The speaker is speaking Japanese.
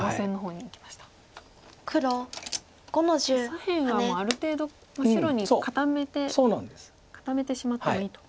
左辺はもうある程度は白に固めてしまってもいいと。